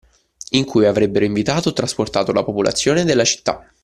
In cui avrebbero invitato o trasportato la popolazione della città.